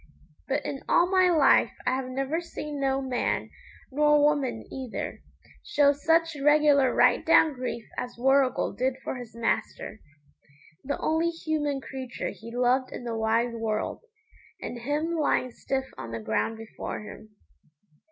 But in all my life I have never seen no man, nor woman neither, show such regular right down grief as Warrigal did for his master the only human creature he loved in the wide world, and him lying stiff on the ground before him.